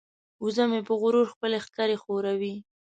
وزه مې په غرور خپلې ښکرې ښوروي.